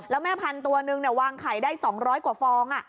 แล้วแม่พันธุ์ตัวนึงวางไข่ได้๒๐๐กว่าฟอง